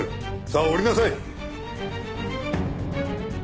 さあ下りなさい。